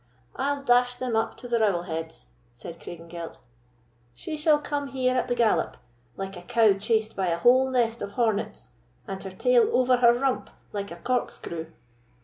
"I'll dash them up to the rowel heads," said Craigengelt; "she shall come here at the gallop, like a cow chased by a whole nest of hornets, and her tail over her rump like a corkscrew."